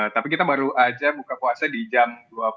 tapi kita baru aja buka puasa di jam dua puluh